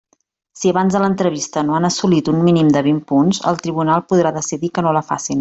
Si abans de l'entrevista no han assolit un mínim de vint punts, el tribunal podrà decidir que no la facin.